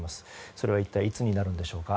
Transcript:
それは一体いつになるんでしょうか。